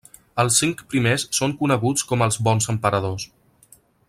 Els cinc primers són coneguts com els Bons Emperadors.